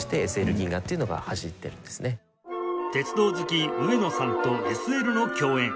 鉄道好き上野さんと ＳＬ の共演